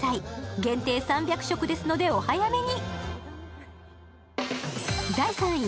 限定３００色ですのでお早めに。